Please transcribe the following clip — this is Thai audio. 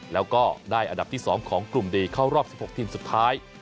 แล้วก็ได้อันดับที่๒ของกลุ่มดีเข้ารอบ๑๖ทีมสุดท้าย